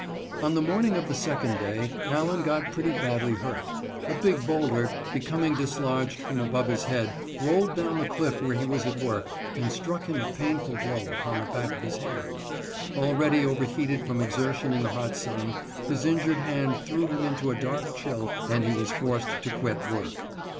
On the morning of the second day, Allen got pretty badly hurt. A big bowlder, becoming dislodged from above his head, rolled down the cliff where he was at work, and struck him a painful blow upon the back of his hand. Already overheated from exertion in the hot sun, his injured hand threw him into a hard chill, and he was forced to quit work.